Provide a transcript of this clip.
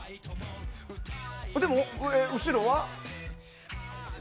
でもこれ、後ろは？